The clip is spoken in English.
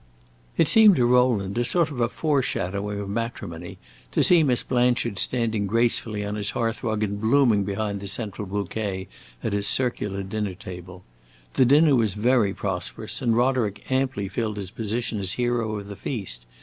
It seemed to Rowland a sort of foreshadowing of matrimony to see Miss Blanchard standing gracefully on his hearth rug and blooming behind the central bouquet at his circular dinner table. The dinner was very prosperous and Roderick amply filled his position as hero of the feast.